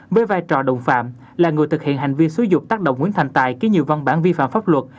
với vai trò động phạm là người thực hiện hành vi sử dụng tác động nguyễn thành tài ký nhiều văn bản vi phạm pháp luật